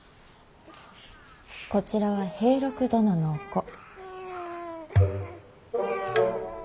こちらは平六殿のお子。